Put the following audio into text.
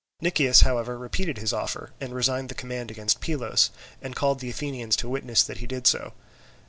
Nicias, however, repeated his offer, and resigned the command against Pylos, and called the Athenians to witness that he did so.